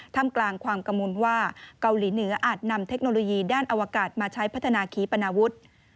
ทำกลางความกระมุนว่าเกาหลีเหนืออาจนำเทคโนโลยีด้านอวกาศมาใช้พัฒนาขีปนาวุฒิ